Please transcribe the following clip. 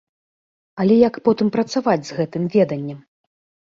Але як потым працаваць з гэтым веданнем?